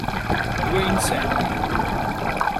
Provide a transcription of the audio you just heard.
Dwayne Sandy